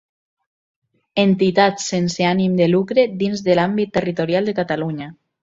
Entitats sense ànim de lucre, dins de l'àmbit territorial de Catalunya.